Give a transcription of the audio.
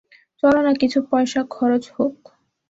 চল না, কিছু পয়সা খরচ হোক।